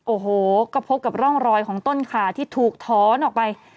โอ้โหก็พบกับร่องรอยของต้นขาที่ถูกถอนออกไป